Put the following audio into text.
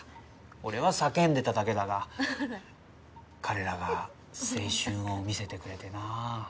俺は叫んでただけだが彼らが青春を見せてくれてな。